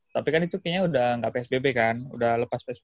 tapi kan itu kayaknya udah gak psbb kan udah lepas psbb